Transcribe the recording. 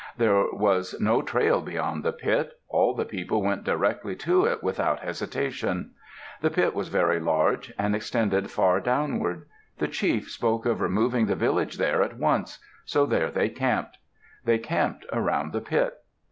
There was no trail beyond the pit. All the people went directly to it, without hesitation. The pit was very large and extended far downward. The chief spoke of removing the village there, at once. So there they camped. They camped around the pit.